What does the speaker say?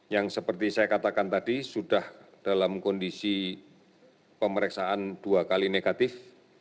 yang seperti saya katakan tadi sudah dalam kondisi pemeriksaan dua kali negatif